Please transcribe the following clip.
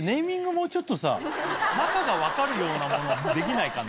もうちょっとさ、中が分かるようなのにできないかね。